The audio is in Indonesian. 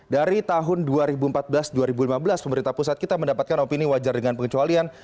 dari tahun dua ribu empat belas dua ribu lima belas pemerintah pusat kita mendapatkan opini wajar dengan pengecualian